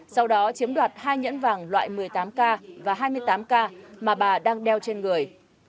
sau đó chiếm đoạt hai nhẫn vàng loại một mươi tám k và hai mươi tám k mà bà đang đeo trên người